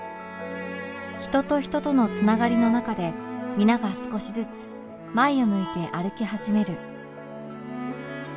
人と人との繋がりの中で皆が少しずつ前を向いて歩き始める